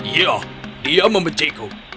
ya dia membenciku